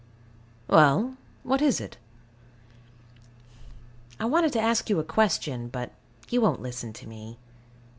Well? what is it? I wanted to ask you a question, but you won't listen to me.